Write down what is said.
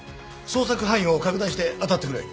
捜索範囲を拡大して当たってくれ。